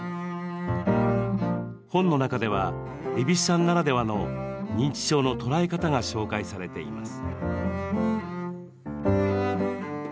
本の中では、蛭子さんならではの認知症の捉え方が紹介されています。